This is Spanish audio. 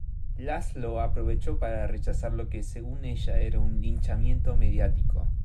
László aprovechó para rechazar lo que según ella era un "linchamiento mediático".